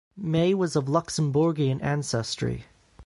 May was of Luxembourgian ancestry.